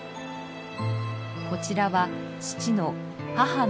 こちらは父の母の悩み。